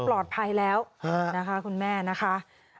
ก็เลยเข้าหาเจ้าหน้าที่เขาให้เขาพามาที่นี่